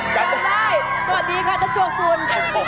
จำได้สวัสดีครับท่าเจ้าคุณ